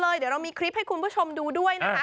น้ำตาตกโคให้มีโชคเมียรสิเราเคยคบกันเหอะน้ำตาตกโคให้มีโชค